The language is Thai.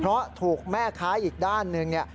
เพราะถูกแม่ค้าอีกด้านหนึ่งเนี่ย